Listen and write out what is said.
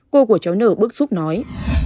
cô của cháu nở bước xúc nói